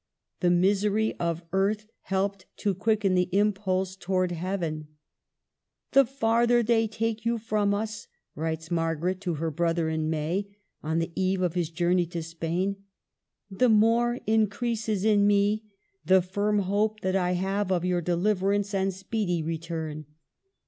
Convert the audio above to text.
The misery of earth helped to quicken the impulse towards Heaven. '' The farther they take you from us," writes Margaret to her brother in May, on the eve of his journey to Spain, the more increases in me the firm hope that I have of your deliver ance and speedy return.